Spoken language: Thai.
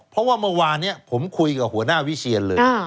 เพราะว่าเมื่อวานนี้ผมคุยกับหัวหน้าวิเชียนเลย